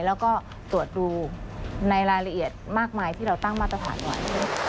แล้วก็ตรวจดูในรายละเอียดมากมายที่เราตั้งมาตรฐานไว้